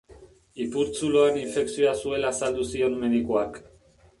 Ipurtzuloan infekzioa zuela azaldu zion medikuak.